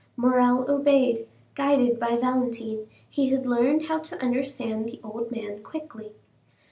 Morrel obeyed; guided by Valentine, he had learned how to understand the old man quickly.